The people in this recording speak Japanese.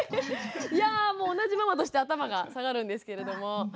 いやぁもう同じママとして頭が下がるんですけれども。